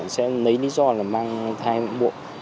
sẽ lấy lý do mang thai hộ vì hiếm muộn của mình